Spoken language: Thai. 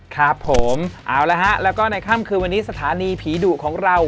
ครับผมเอาละฮะแล้วก็ในค่ำคืนวันนี้สถานีผีดุของเรา